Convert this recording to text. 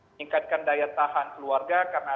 meningkatkan daya tahan keluarga karena